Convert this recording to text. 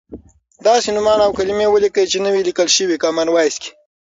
داسې نومان او کلیمې ولیکئ چې نه وې لیکل شوی کامن وایس کې.